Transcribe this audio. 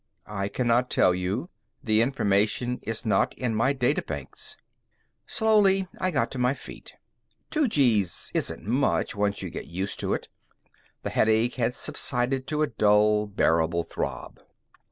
"I cannot tell you. The information is not in my data banks." Slowly, I got to my feet. Two gees isn't much, once you get used to it. The headache had subsided to a dull, bearable throb.